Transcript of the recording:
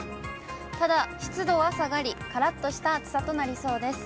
ただ、湿度は下がり、からっとした暑さとなりそうです。